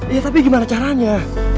iya tapi gimana caranya